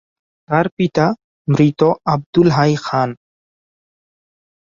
তার পিতা মৃত আবদুল হাই খান।